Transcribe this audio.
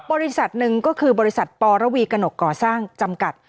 บริษัทหนึ่งก็คือบริษัทปรวีกระหนกก่อสร้างจำกัด